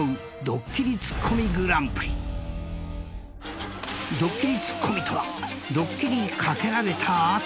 ［ドッキリツッコミとはドッキリにかけられた後の］